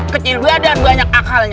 kecil buaya dan banyak akalnya